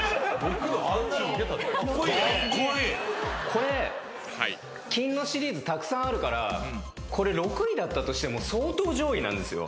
これ「金のシリーズ」たくさんあるからこれ６位だったとしても相当上位なんですよ。